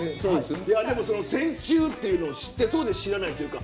いやでもその線虫っていうのを知ってそうで知らないというか。